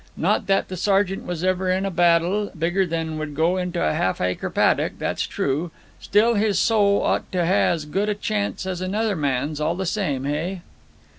Not that the sergeant was ever in a battle bigger than would go into a half acre paddock, that's true. Still, his soul ought to hae as good a chance as another man's, all the same, hey?'